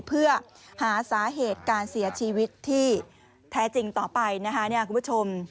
เพื่อหาสาเหตุการเสียชีวิตที่แท้จริงต่อไปนะคะคุณผู้ชม